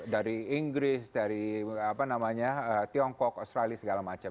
dari inggris dari apa namanya tiongkok australia segala macam